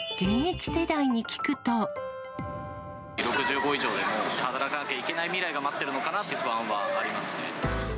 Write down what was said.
６５以上でも、働かなきゃいけない未来が待っているかなっていう不安はあります